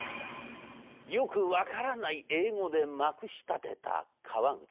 よく分からない英語でまくしたてた川口。